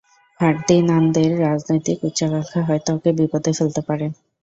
ফার্দিন্যান্দের রাজনৈতিক উচ্চাকাঙ্ক্ষা হয়তো ওকে বিপদে ফেলতে পারে।